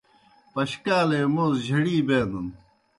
پشکالے موز جھڑی بینَن۔